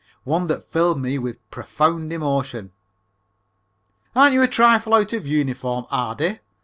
One that filled me with profound emotion. "Aren't you a trifle out of uniform, Ardy?"